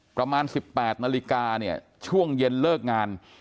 ประมาณ๑๘นาฬิกาเนี่ยช่วงเย็นเลิกงาน